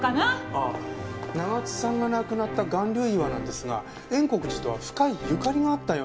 ああ長津さんが亡くなった巌流岩なんですが円刻寺とは深いゆかりがあったようなんです。